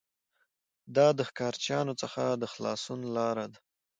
دا د ښکارچیانو څخه د خلاصون لاره ده